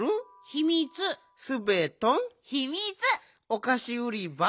おかしうりば？